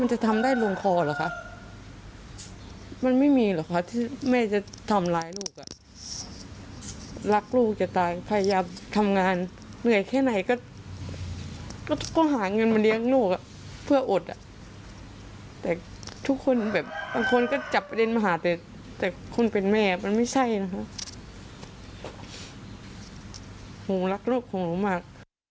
โหรักลูกโหรู้มาก